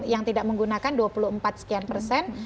yang tidak menggunakan dua puluh empat sekian persen